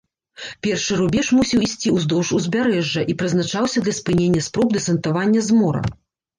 Першы рубеж мусіў ісці ўздоўж узбярэжжа і прызначаўся для спынення спроб дэсантавання з мора.